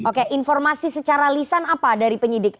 oke informasi secara lisan apa dari penyidik